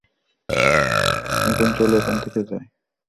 এখন চলো এখান থেকে যাই।